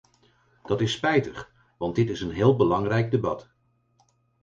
Dat is spijtig, want dit is een heel belangrijk debat.